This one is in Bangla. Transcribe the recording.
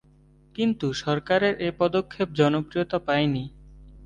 কিন্তু সরকারের এ পদক্ষেপ জনপ্রিয়তা পায়নি।